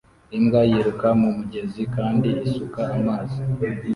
Imbwa yiruka mu mugezi kandi isuka amazi